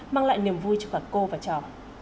mang lại niềm vui cho cả cô và chò